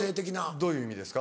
どういう意味ですか？